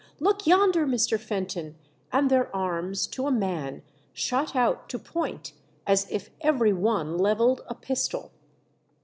Look yonder, Mr. Fenton !" and their arms, to a man, shot out to point, as if every one levelled a pistol.